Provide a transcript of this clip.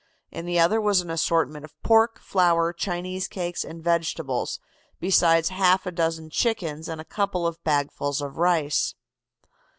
In the other was an assortment of pork, flour, Chinese cakes and vegetables, besides a half dozen chickens and a couple of bagfuls of rice.